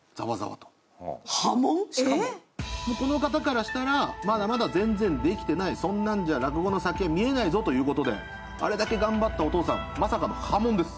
しかも、この方からしたら、まだまだ前線できてない、そんなんじゃ落語の先が見えないぞということで、あれだけ頑張ったお父さん、まさかの破門です。